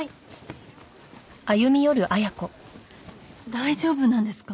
大丈夫なんですか？